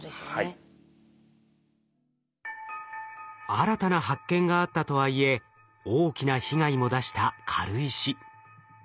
新たな発見があったとはいえ大きな被害も出した軽石。